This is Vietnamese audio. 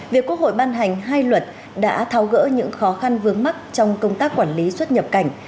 việc quốc hội ban hành hai luật đã tháo gỡ những khó khăn vướng mắt trong công tác quản lý xuất nhập cảnh